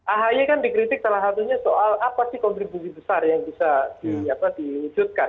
ahy kan dikritik salah satunya soal apa sih kontribusi besar yang bisa diwujudkan